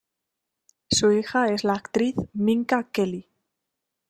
Su hija es la actriz Minka Kelly.